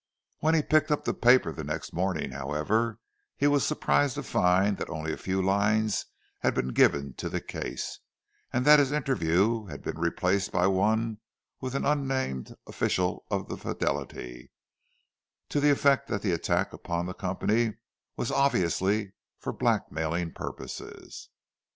When he picked up the paper the next morning, however, he was surprised to find that only a few lines had been given to the case, and that his interview had been replaced by one with an unnamed official of the Fidelity, to the effect that the attack upon the company was obviously for black mailing purposes.